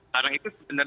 karena itu sudah berlaku